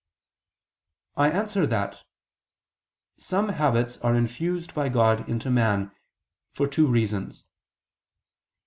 I answer that, Some habits are infused by God into man, for two reasons.